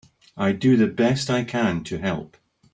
I do the best I can to help.